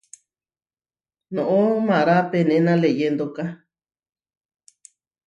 Noʼó mará penéna leyéndoka.